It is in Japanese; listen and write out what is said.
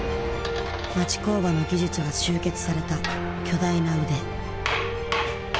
町工場の技術が集結された巨大な腕。